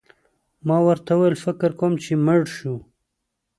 ما ورته وویل: فکر کوم چي مړ شو.